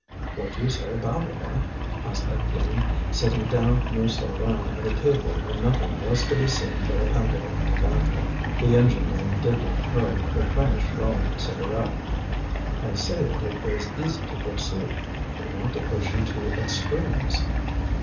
"What do you say about it, eh?" asked Étienne, sitting down near Souvarine at a table where nothing was to be seen but a packet of tobacco. The engine man did not hurry, but finished rolling his cigarette. "I say that it was easy to foresee. They want to push you to extremes."